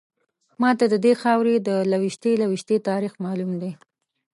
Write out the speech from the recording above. ماته ددې خاورې د لویشتې لویشتې تاریخ معلوم دی.